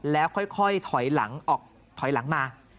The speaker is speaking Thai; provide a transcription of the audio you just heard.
แล้วค่อยถอยหลังออกถอยหลังมา